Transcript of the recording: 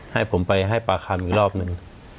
ให้ผมไปให้ปลาคามอีกรอบนึง